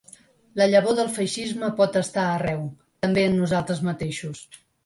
La llavor del feixisme pot estar arreu, també en nosaltres mateixos.